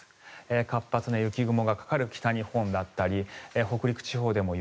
活発な雪雲がかかる北日本だったり北陸地方でも雪。